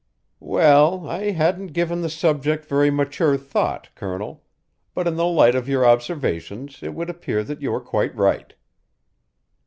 "Well, I hadn't given the subject very mature thought, Colonel, but in the light of your observations it would appear that you are quite right."